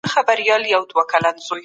حنفي فقه په عدالت ټینګار کوي.